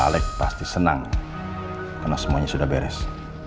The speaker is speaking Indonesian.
pak alek pasti senang karena semuanya sudah beres